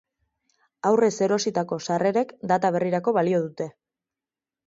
Aurrez erositako sarrerek data berrirako balio dute.